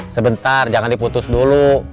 sebentar jangan diputus dulu